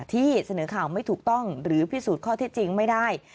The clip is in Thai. ที่เสนอข่าวไม่ถูกต้องหรือพิสูจน์ข้อเท็จจริงไม่ได้